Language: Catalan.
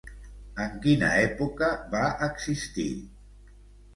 En quina època va existir?